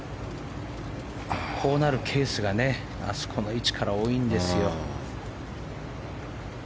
こうなるケースがあそこの位置から多いんですよ。